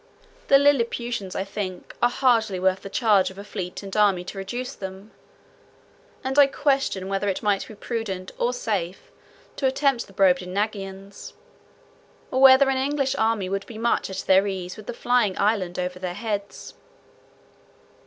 The Lilliputians, I think, are hardly worth the charge of a fleet and army to reduce them; and I question whether it might be prudent or safe to attempt the Brobdingnagians; or whether an English army would be much at their ease with the Flying Island over their heads.